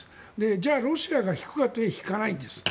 じゃあ、ロシアが引くかというと引かないんです。